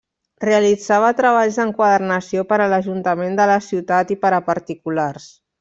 Realitzava treballs d'enquadernació per a l'Ajuntament de la ciutat, i per a particulars.